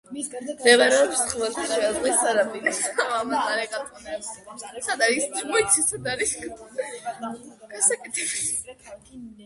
მდებარეობს ხმელთაშუა ზღვის სანაპიროზე.